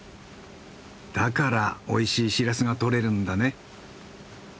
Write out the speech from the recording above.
だからおいしいシラスが取れるんだね。